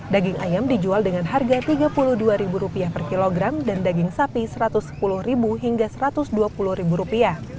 daging ayam dijual dengan harga rp tiga puluh dua per kilogram dan daging sapi rp satu ratus sepuluh hingga rp satu ratus dua puluh